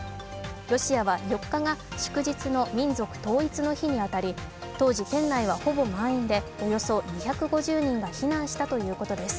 ロシアは４日が祝日の民族統一の日に当たり当時、店内はほぼ満員でおよそ２５０人が避難したということです。